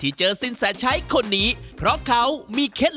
อีกครามเมื่อร้านคอีกด้วย